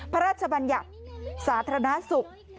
พระราชบัญญัติสาธารณสุข